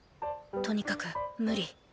とにかく無理。